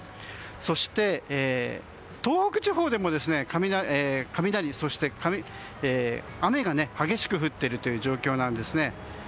そして、東北地方でも雷、そして雨が激しく降っている状況なんですね。